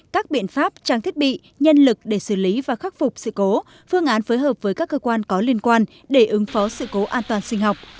các biện pháp trang thiết bị nhân lực để xử lý và khắc phục sự cố phương án phối hợp với các cơ quan có liên quan để ứng phó sự cố an toàn sinh học